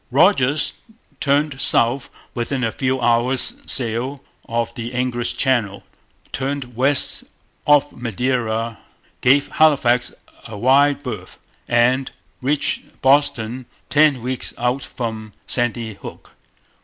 Rodgers turned south within a few hours' sail of the English Channel, turned west off Madeira, gave Halifax a wide berth, and reached Boston ten weeks out from Sandy Hook.